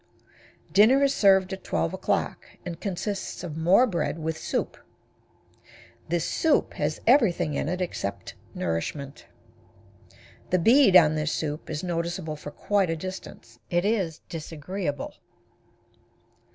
Dinner is served at 12 o'clock, and consists of more bread with soup. This soup has everything in it except nourishment. The bead on this soup is noticeable for quite a distance. It is disagreeable.